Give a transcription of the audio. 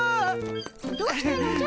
どうしたのじゃ？